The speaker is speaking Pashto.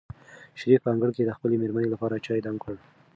شریف په انګړ کې د خپلې مېرمنې لپاره چای دم کړ.